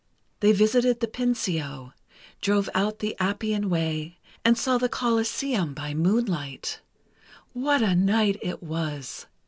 They visited the Pincio, drove out the Appian way, and saw the Coliseum by moonlight. What a night it was!